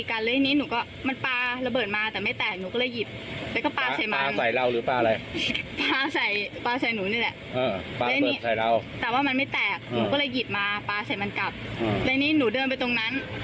อาปาเสร็จมันกับแล้วนี้หนูเดินไปตรงนั้น